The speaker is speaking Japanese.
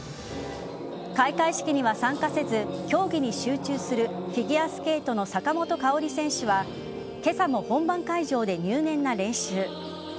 開会式には参加せず競技に集中するフィギュアスケートの坂本花織選手は今朝も本番会場で入念な練習。